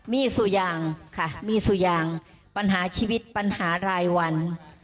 มีสุยางค่ะมีสุยางปัญหาชีวิตปัญหารายวัน